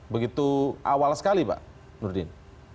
begitu awal sekali pak nurdin